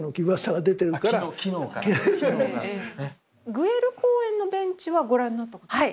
グエル公園のベンチはご覧になったことはある？